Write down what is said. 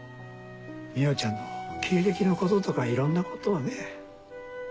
海音ちゃんの経歴のこととかいろんなことをね。